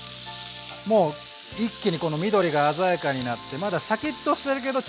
もう一気にこの緑が鮮やかになってまだシャキッとしてるけどちょっとしんなりぐらい。